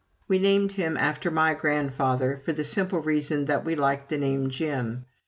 We named him after my grandfather, for the simple reason that we liked the name Jim.